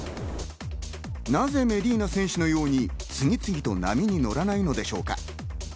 なぜメディーナ選手のように、次々と波に乗らないのでしょうか？